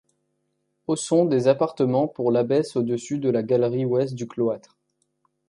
Au sont des appartements pour l'abbesse au-dessus de la galerie ouest du cloître.